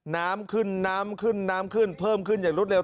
น้ำขึ้นน้ำขึ้นน้ำขึ้นเพิ่มขึ้นอย่างรวดเร็